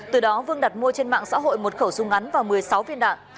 từ đó vương đặt mua trên mạng xã hội một khẩu súng ngắn và một mươi sáu viên đạn